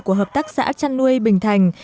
của hợp tác xã chăn nuôi bình thành